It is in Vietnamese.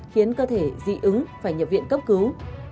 khiến cơ thể dị ứng phải nhập viện cấp cứu